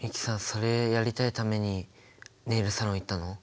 それやりたいためにネイルサロン行ったの？